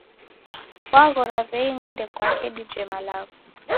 Waghora w'ei niende kwake dije malagho